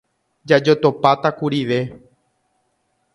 Jajotopáta kurive.